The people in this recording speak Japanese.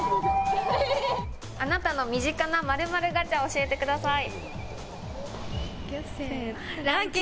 あなたの身近な○○ガチャを教えてください。